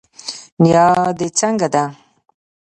نيا دي څنګه ده